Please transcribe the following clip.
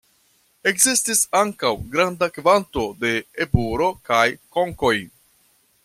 Ekzistis ankaŭ granda kvanto de eburo kaj konkoj.